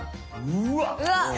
うわっ！